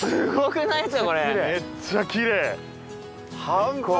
めっちゃきれい！